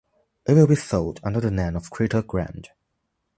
It will be sold under the name of Creta Grand.